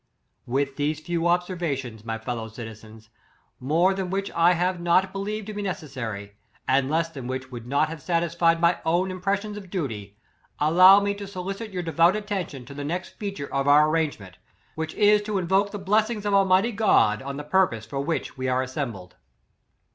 " With these few observations, my fellow citizens, more than which I have not be lieved to be necessary, and less than which would not have satisfied my own impres sions of duty, allow me to solicit your devout attention to the next feature of our arrangement, which is to invoke the bless B 10 ings of Almighty God, on the purpose for which we are assembled."